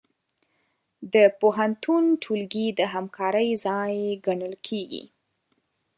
د پوهنتون ټولګي د همکارۍ ځای ګڼل کېږي.